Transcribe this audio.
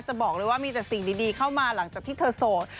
จะบอกเลยว่ามีแต่สิ่งดีเข้ามาหลังจากที่เธอโสด